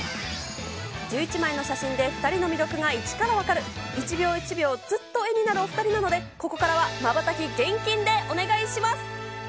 １１枚の写真で２人の魅力が１からわかる一秒一秒ずっと絵になるお２人なので、ここからはまばたき厳禁でお願いします。